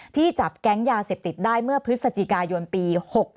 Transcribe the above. ที่จับแก๊งยาเสพติดได้เมื่อพฤศจิกายนปี๖๑